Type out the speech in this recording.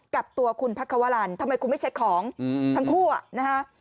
กับตัวคุณพักควรรณทำไมคุณไม่เช็คของทั้งคู่อ่ะนะฮะ